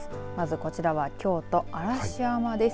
こちらは京都、嵐山です。